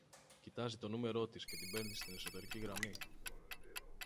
Κοιτάζει το νούμερό της και την παίρνει στην εσωτερική γραμμή